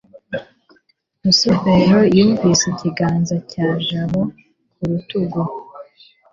rusufero yumvise ikiganza cya jabo ku rutugu